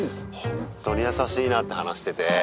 ホントに優しいなって話してて。